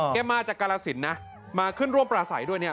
มาจากกาลสินนะมาขึ้นร่วมปราศัยด้วยเนี่ย